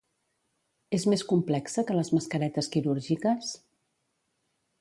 És més complexa que les mascaretes quirúrgiques?